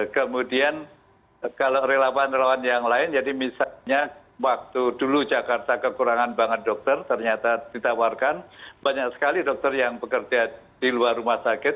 kemudian kalau relawan relawan yang lain jadi misalnya waktu dulu jakarta kekurangan banget dokter ternyata ditawarkan banyak sekali dokter yang bekerja di luar rumah sakit